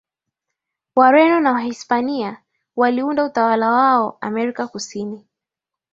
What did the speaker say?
Wareno na Wahispania waliunda utawala wao Amerika Kusini